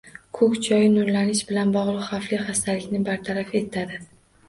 Ko‘k choy nurlanish bilan bog‘liq xavfli xastalikni bartaraf etadi.